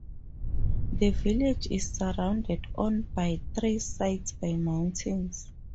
The village is surrounded on by three sides by mountains.